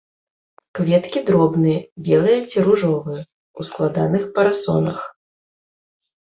Кветкі дробныя, белыя ці ружовыя, у складаных парасонах.